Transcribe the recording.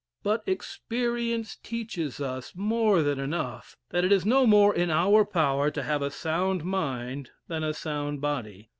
But experience teaches us more than enough, that it is no more in our power to have a sound mind than a sound body.